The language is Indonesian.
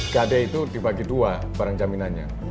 gade itu dibagi dua barang jaminannya